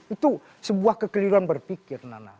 itu sebuah kekeliruan berpikir nana